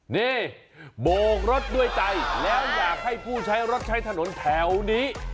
นี่โบกรถด้วยใจแล้วอยากให้ผู้ใช้รถใช้ถนนแถวนี้